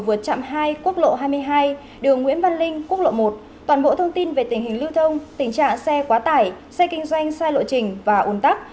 vượt trạm hai quốc lộ hai mươi hai đường nguyễn văn linh quốc lộ một toàn bộ thông tin về tình hình lưu thông tình trạng xe quá tải xe kinh doanh sai lộ trình và ồn tắc